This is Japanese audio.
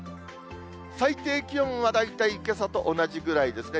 最低気温は大体けさと同じぐらいですね。